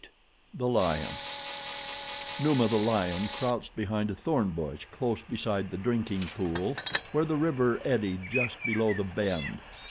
8 The Lion NUMA, THE LION, crouched behind a thorn bush close beside the drinking pool where the river eddied just below the bend.